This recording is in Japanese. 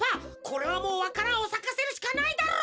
これはもうわか蘭をさかせるしかないだろう！